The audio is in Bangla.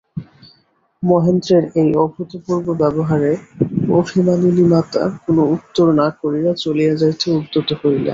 মহেন্দ্রের এই অভূতপূর্ব ব্যবহারে অভিমানিনী মাতা কোনো উত্তর না করিয়া চলিয়া যাইতে উদ্যত হইলেন।